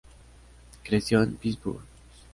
Creció en Pittsburgh.